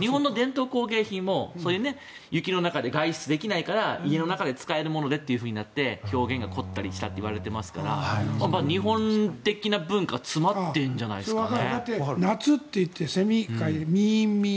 日本の伝統工芸品も雪の中で外出できないから家の中で使えるものでとなって表現が凝ったりしたといわれていますから日本的な文化詰まってるんじゃないですかね。